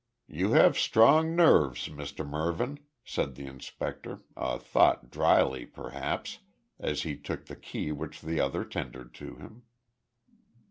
"You have strong nerves, Mr Mervyn," said the inspector, a thought drily, perhaps, as he took the key which the other tendered to him.